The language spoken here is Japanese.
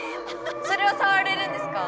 それはさわれるんですか？